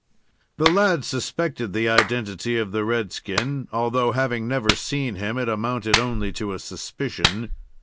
The lad suspected the identity of the red skin, although, having never seen him, it amounted only to a suspicion.